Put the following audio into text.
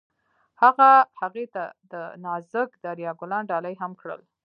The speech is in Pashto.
هغه هغې ته د نازک دریا ګلان ډالۍ هم کړل.